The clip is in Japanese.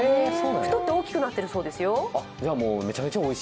太っておいしくなってるそうですよ。